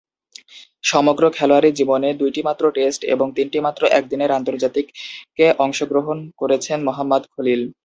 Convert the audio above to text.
সমগ্র খেলোয়াড়ী জীবনে দুইটিমাত্র টেস্ট ও তিনটিমাত্র একদিনের আন্তর্জাতিকে অংশগ্রহণ করেছেন মোহাম্মদ খলিল।